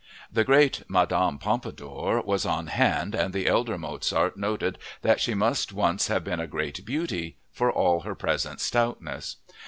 The great Madame Pompadour was on hand and the elder Mozart noted that she must once have been a great beauty for all her present stoutness.